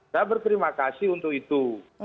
saya berterima kasih untuk itu